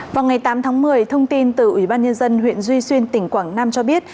vào ngày tám tháng một mươi thông tin từ ủy ban nhân dân huyện duy xuyên tỉnh quảng nam cho biết